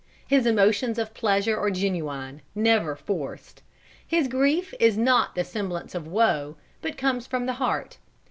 His emotions of pleasure are genuine, never forced. His grief is not the semblance of woe, but comes from the heart.